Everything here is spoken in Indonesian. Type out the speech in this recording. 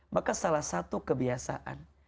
maka salah satu kebiasaan